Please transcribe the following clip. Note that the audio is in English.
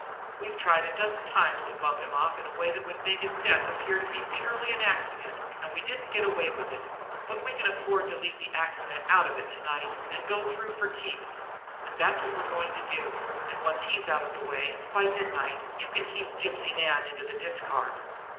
We've tried a dozen times to bump him off in a way that would make his death appear to be due purely to an accident, and we didn't get away with it; but we can afford to leave the 'accident' out of it to night, and go through for keeps and that's what we're going to do. And once he's out of the way by midnight you can heave Gypsy Nan into the discard."